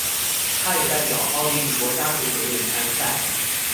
他也代表奥地利国家足球队参赛。